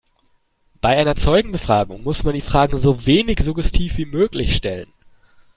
Bei einer Zeugenbefragung muss man die Fragen so wenig suggestiv wie möglich stellen.